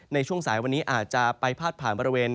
ในช่วงสายวันนี้อาจจะไปพาดผ่านบริเวณ